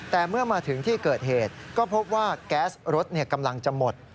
แต่เมื่อมาถึงที่เกิดเหตุก็พบว่าแก๊สรถกำลังจะหมด